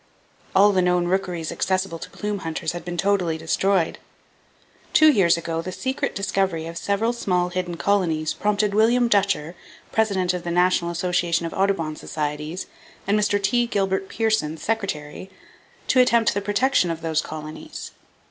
All the known rookeries accessible to plume hunters had been totally destroyed. Two years ago, the secret discovery of several small, hidden colonies prompted William Dutcher, President of the National Association of Audubon Societies, and Mr. T. Gilbert Pearson, Secretary, to attempt the protection of those colonies.